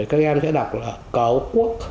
các em sẽ đọc là cỏ quốc